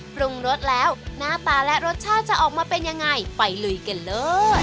ปรุงรสแล้วหน้าตาและรสชาติจะออกมาเป็นยังไงไปลุยกันเลย